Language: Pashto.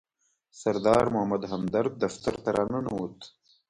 سردار محمد همدرد دفتر ته راننوت.